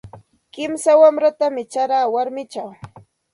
Kimsa wanratam charaa warmichaw.